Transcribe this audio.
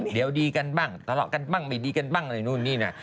เดี๋ยวดีกันบ้างทะเลาะกันบ้างไม่ดีกันบ้างอะไรนู่นนี่นะ